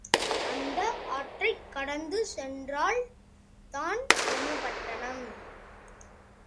அந்த ஆற்றைக் கடந்து சென்றால் தான் யமபட்டணம்.